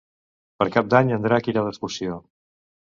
Per Cap d'Any en Drac irà d'excursió.